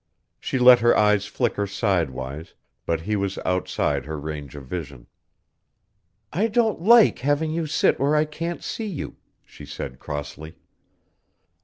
She let her eyes flicker sidewise, but he was outside her range of vision. "I don't LIKE having you sit where I can't see you," she said crossly.